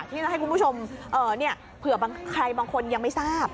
ที่จะให้คุณผู้ชมเผื่อใครบางคนยังไม่ทราบ